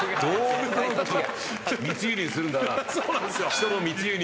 人の密輸入。